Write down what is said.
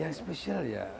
yang spesial ya